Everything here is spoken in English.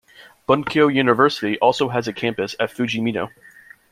Bunkyo University also has a campus at Fujimino.